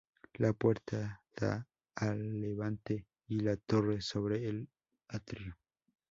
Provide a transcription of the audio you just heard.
La puerta da a levante y la torre sobre el atrio.